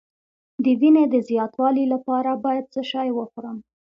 د وینې د زیاتوالي لپاره باید څه شی وخورم؟